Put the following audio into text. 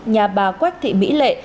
nhà bà quách thị mỹ lệ